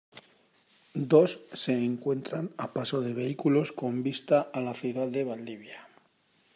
Dos se encuentran a paso de vehículos, con vista a la ciudad de Valdivia.